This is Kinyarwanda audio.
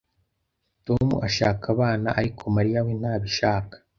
Tom ashaka abana, ariko Mariya we ntabishaka.